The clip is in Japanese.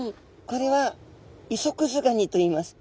これはイソクズガニといいます。